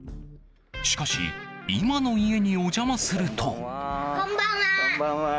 しかし今の家にお邪魔すると。